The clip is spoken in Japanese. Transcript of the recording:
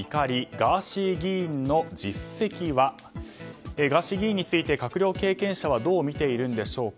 ガーシー議員について閣僚経験者はどう見ているんでしょうか。